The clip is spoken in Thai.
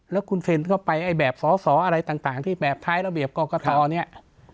แล้วคุณเซ็นเข้าไปไอ้แบบสอสออะไรต่างที่แบบท้ายระเบียบกรกฐเนี่ย